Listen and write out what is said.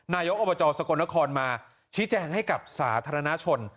นายกอบจสกลนครมาชี้แจงให้กับสาธารณชน